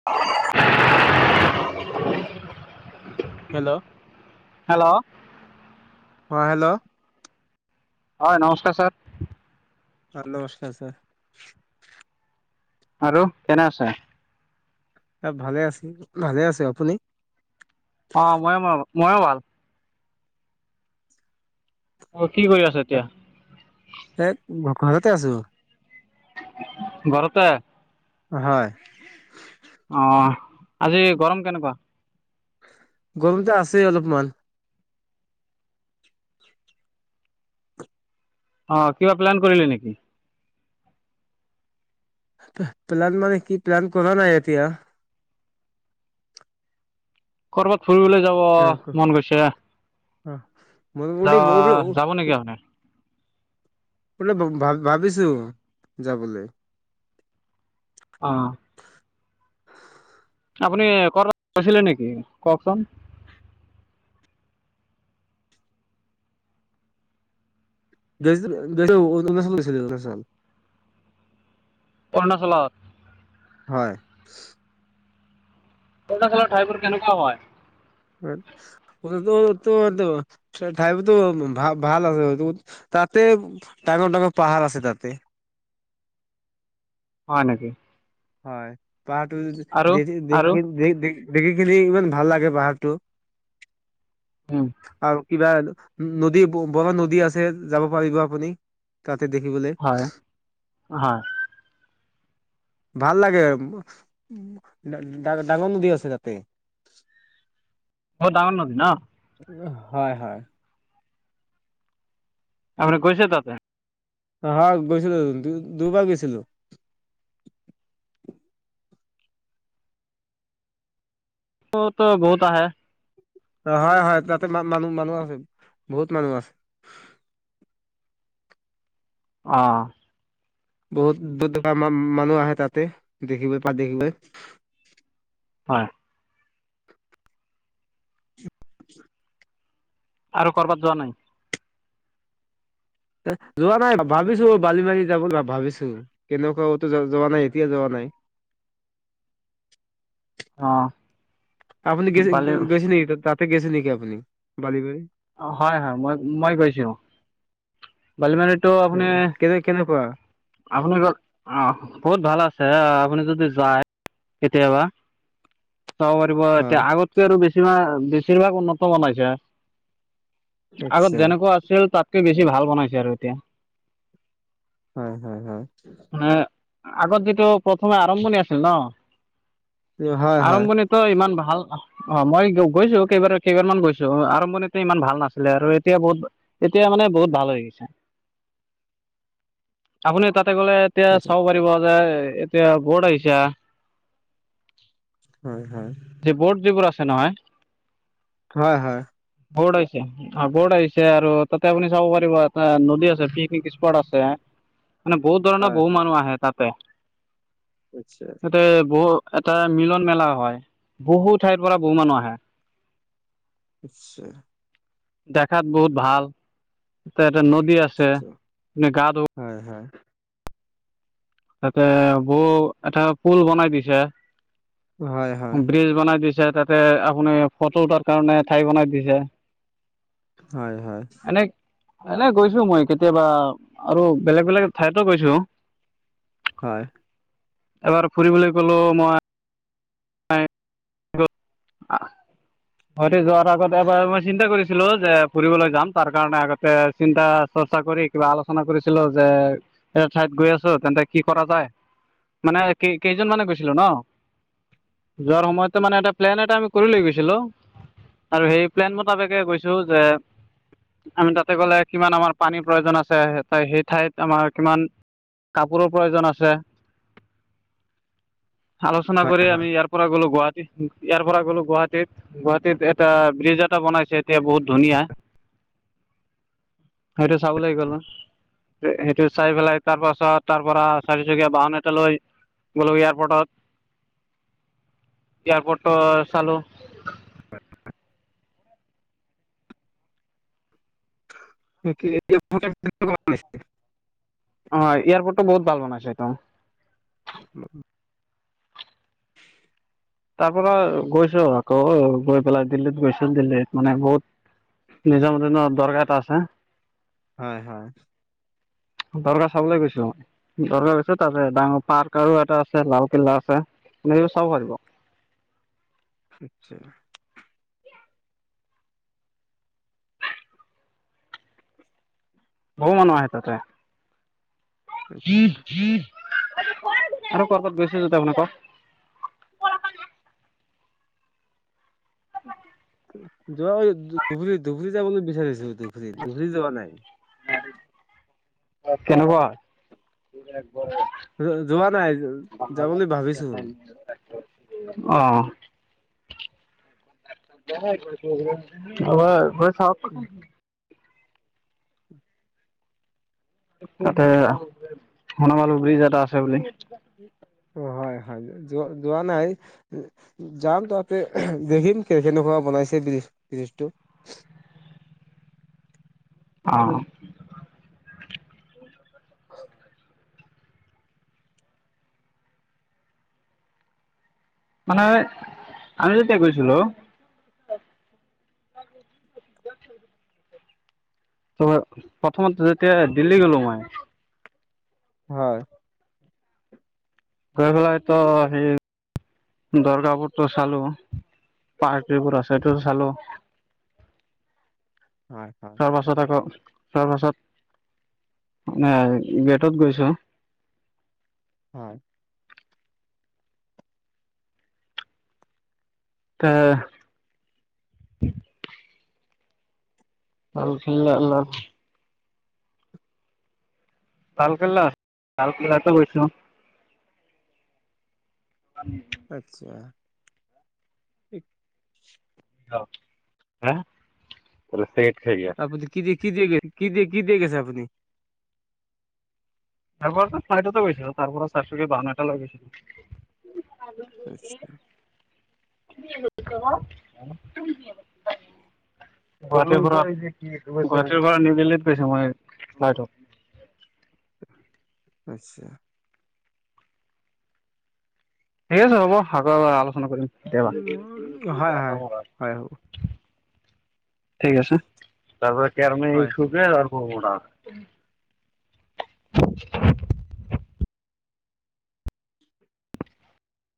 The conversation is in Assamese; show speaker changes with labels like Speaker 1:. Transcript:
Speaker 1: [inaudible]
Speaker 2: হেল্ল'
Speaker 1: হেল্ল'
Speaker 2: অঁ, হেল্ল'
Speaker 1: হয়, নমস্কাৰ ছাৰ!
Speaker 2: অ', নমস্কাৰ চাৰ।
Speaker 1: আৰু কেনে আছে?
Speaker 2: ভালে আছ ভালে আছে আপুনি।
Speaker 1: অ', ময়ো ম ময়ো ভাল। তই কি কৰি আছে।
Speaker 2: এই ঘৰতে আছো।
Speaker 1: ঘৰতে।
Speaker 2: হয়।
Speaker 1: অহ, আজি গৰম কেনেকুৱা?
Speaker 2: গৰম তো আছে অলপমান।
Speaker 1: অ', কিবা প্লেন কৰিলে নেকি।
Speaker 2: প্লান মানে কি প্লান কৰা নাই এতিয়া
Speaker 1: কৰ'বাত ফুৰিবলৈ যাব মন গৈছে।
Speaker 2: অ', মো ম [unintelligible]
Speaker 1: ক ননেকে আপুাৰ [inaudible]
Speaker 2: বোলে ভ ভাবিছোঁ যাবলৈ।
Speaker 1: অ'। আপোনি কৰবাত গেছিলে নেকি কওঁকচোন।
Speaker 2: যাইচো [unintelligible]
Speaker 1: অৰুণাচলত
Speaker 2: হয়।
Speaker 1: অৰুণাচলৰ ঠাইবোৰ কেনেকুৱা হয়।
Speaker 2: [unintelligible] ত ঠাইোৰতো ভ ভাল আছে তাতে [unintelligible] ডাঙৰ, ডাঙৰ পাহাৰ আছে তাতে।
Speaker 1: হয় নেকি।
Speaker 2: হয় পাহাৰটো
Speaker 1: আৰু
Speaker 2: দেখি,
Speaker 1: আৰু
Speaker 2: দেখি দে দেখ দেখি ইমান ভাল লাগে পাহাৰটো।
Speaker 1: উম।
Speaker 2: আৰু কিবা নদী বৰ নদী আছে যাব পাৰিব আপুনি। তাতে দেখিব যে
Speaker 1: হয় হয়।
Speaker 2: ভাল লাগে তা তাতে ডাঙৰ নদী আছে তাতে।
Speaker 1: বৰ ডাঙৰ নদী ন।
Speaker 2: হয়, হয়।
Speaker 1: আপুনি গৈছে তাতে।
Speaker 2: হয় গৈছিলোঁ দুবাৰ গৈছিলোঁ।
Speaker 1: বহুত আহে।
Speaker 2: অ', হয়, হয় তাতে ম মানুহ, মানুহ আছে বহুত মানুহ আছে।
Speaker 1: অ'।
Speaker 2: বহুত দূৰ দূৰা মানুহ আহে তাতে দেখিবলৈ পা দেখিবলৈ [unintelligible]
Speaker 1: হয়। আৰু ক'ৰবাত যোৱা নাই।
Speaker 2: যোৱা নাই ভাবিছোঁ বালি মাৰি যাব ভাবিছোঁ। তেনেকুৱা কতো যোৱা নাই এতিয়া যোৱা নাই।
Speaker 1: অ'।
Speaker 2: আপুনি
Speaker 1: বালি
Speaker 2: গেছি-গেছিলি তাতে গেছিল নেকি আপুনি? বালি বাৰি
Speaker 1: অঁ হয় হয় মই, মই গৈছো। বালিমাৰিটো
Speaker 2: উম কেনে কেনেকুৱা
Speaker 1: আপুনি বহুত ভাল আছে আপুনি যদি যায়, কেতিয়াবা। যাব পাৰিব
Speaker 2: হয়
Speaker 1: এতিয়া আগতকৈ আৰু বেছিভা-বেছিভাগ উন্নত বনাইছে। আগত
Speaker 2: আচ্ছা
Speaker 1: যেনেকুৱা আছিল তাতকৈ বেছি ভাল বনাইছে আৰু এতিয়া।
Speaker 2: হয় হয় হয়।
Speaker 1: আগত যিটো প্ৰথমে আৰম্ভণি আছিল
Speaker 2: হয় হয়
Speaker 1: ন-
Speaker 2: হয়
Speaker 1: আৰম্ভণিত ত ইমান ভাল- অ মই গৈছো কেইবাৰ কেইবাৰ মান গৈছো আৰম্ভণিত ইমান ভাল নাছিলে আৰু এতিয়া বহুত, এতিয়া মানে বহুত ভাল হৈ গৈছে। আপুনি তাতে গ'লে এতিয়া চাব পাৰিব যে এতিয়া বহুত আহিছা
Speaker 2: হয় হয়
Speaker 1: যে বৰ্ড যিবোৰ আছে নহয়
Speaker 2: হয় হয়।
Speaker 1: বহোত আইছে অ বত আহিছে আৰু তাতে আপুনি চাব পাৰিব এটা নদী আছে, পিকনিক স্পট আছে। মানে বহুত ধৰণৰ
Speaker 2: হয়
Speaker 1: বহু মানুহ আহে তাতে।
Speaker 2: নিশ্চয়
Speaker 1: ইয়াতে বহু এটা মিলন মেলা হয়, বহু ঠাইৰ পৰা বহু মানুহ আহে।
Speaker 2: আচ্ছা
Speaker 1: দেখাত বহুত ভাল। তাতে নদী আছে,
Speaker 2: আচ্ছা
Speaker 1: যে গা ধুব-
Speaker 2: হয় হয়।
Speaker 1: তাতে বৌ এটা পুল বনাই দিছে।
Speaker 2: হয় হয়
Speaker 1: ব্ৰিজ বনাই দিছে তাতে আপুনি ফটো উঠাৰ কাৰণে ঠাই বনাই দিছে।
Speaker 2: হয় হয়।
Speaker 1: এনে, এনে গৈছো মই কেতিয়াবা আৰু বেলেগ বেলেগ ঠাইতো গৈছো। [inaudible]
Speaker 2: হয়।
Speaker 1: এবাৰ ফুৰিবলে গলো মই [unintelligible] আ গুহাটী যোৱাৰ আগত এবাৰ মই চিন্তা কৰিছিলো যে ফুৰিবলৈ যাম তাৰ কাৰণে আগতে চিন্তা- চৰ্চা কৰি কিবা আলোচনা কৰিছিলো যে- এটা ঠাইত গৈ আছো তেন্তে কি কৰা যায় মানে কেই-কেইজন মানে গৈছিলো ন', যোৱাৰ সময়ত ত' মানে এটা প্লেন এটা আমি কৰি লৈ গৈছিলোঁ। আৰু সেই প্লেন মতাপেকে গৈছোঁ যে আমি তাতে গ'লে কিমান আমাৰ পানীৰ প্ৰয়োজন আছে, সেই ঠাইত আমাৰ কিমান কাপোৰৰ প্ৰয়োজন আছে আলোচনা
Speaker 2: হয়
Speaker 1: কৰি
Speaker 2: হয়
Speaker 1: আমি ইয়াৰ পৰা গ'লো গুৱাহাটী ইয়াৰ পৰা গলো গুৱাহাটীত, গুৱাহাটীত এটা ব্ৰিজ এটা বনাইছে এতিয়া বহুত ধুনীয়া। সেইটো চাবলে গলো। সেইটো চাই পেলাই তাৰ পাছত- তাৰ পৰা চাৰিচকীয়া বাহন এটা লৈ বোলো এয়াৰপৰ্টত- এয়াৰপ'ৰ্টো চালো।
Speaker 2: [unintelligible] [unintelligible]
Speaker 1: অ এয়াৰপৰ্ট টো বহুত ভাল বনাইছে এইটো
Speaker 2: উম উম
Speaker 1: তাৰ পৰা গৈছো আকৌ গৈ পেলাই দিল্লীত গৈছো দিল্লীত মানে বহুত নিজৰ মতে ন দৰকাৰ এটা আছে।
Speaker 2: হয় হয়।
Speaker 1: দৰকাৰ চাবলৈ গৈছ দৰকাৰছে তাৰ ডাঙৰ পাৰ্ক আৰু এটা আছে লালকিল্লা আছে এনেকে চাব পৰিব
Speaker 2: আচ্চা
Speaker 1: বহু মানুহ আহে তাতে
Speaker 2: আচ্ছা
Speaker 1: আৰু কৰ'বাত গৈছে য ত আপোনালোক
Speaker 2: যোৱা ধবুৰী ধুবুৰী যাবলৈ বিচাৰিছো ধুবুৰীত ধুবুৰীত যাবা নাই।
Speaker 1: কেনেকুৱা
Speaker 2: যোৱা নাই যাম বুলি ভাবিছো মই।
Speaker 1: আহ এবাৰ গৈ চাওক।
Speaker 2: উম
Speaker 1: তাতে সুনা পালু বিজ এটা আছে বুলি।
Speaker 2: হয় হয় যোৱা যোৱা নাই যাম তাতে দেখিম কে কেনেকুৱা বনাইছে বিজ ব্ৰীজটো।
Speaker 1: অ
Speaker 2: [inaudible]
Speaker 1: মানে আমি যেতিয়া গৈছিলো। [inaudible] ত' প্ৰথমত যেতিয়া দিল্লী গ'লো মই
Speaker 2: হয়
Speaker 1: গৈ পেলাইটো সেই দৰগা বোৰতো চালো পাৰ্টিবোৰ আছে সটো চালো
Speaker 2: হয় হয়।
Speaker 1: তাৰপাছত আকৌ তাপাছত পাছত মানে গেটত গৈছোঁ।
Speaker 2: হয়
Speaker 1: তে লালকিল্লা লাত লালকিল্লা লালকিল্লাতো গৈছো
Speaker 2: আচ্ছা
Speaker 1: [unintelligible]
Speaker 2: আপুনি কি দ কি দিয়ে গৈছে কি দিয়ে গৈছে আপুনি
Speaker 1: তাৰ পৰা চাইদতে গৈছিলো তাৰ পৰা চাৰি চুকিয়া বাহন এটা লৈ গৈছিলো।
Speaker 2: আচ্ছা
Speaker 1: [unintelligible]
Speaker 2: উ
Speaker 1: গুৱাহাটীৰ পৰা গুৱাহাটীৰ পৰা নিউ দিল্লীত গৈছো মই ফ্লাইটত
Speaker 2: আত্ছা
Speaker 1: ঠিক আছে হ'ব আকৌ এবাৰ আলোচনা কৰিম কেতিয়াবা
Speaker 2: উম, হয় হয় হয়
Speaker 1: ঠিক আছে তাৰপ কেৰমি
Speaker 2: হয় হয়।
Speaker 1: শুকে তাৰপ উ